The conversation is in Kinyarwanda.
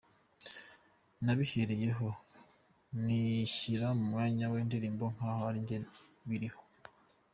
Nabihereyeho, nishyira mu mwanya we, ndirimbo nk’aho ari jye biriho.